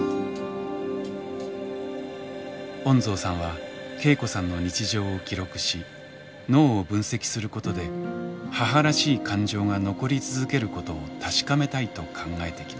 恩蔵さんは恵子さんの日常を記録し脳を分析することで母らしい感情が残り続けることを確かめたいと考えてきました。